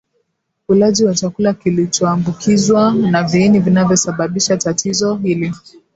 Ulaji wa chakula kilichoambukizwa na viini vinavyosababisha tatizo hili